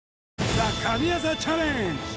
ＴＨＥ神業チャレンジ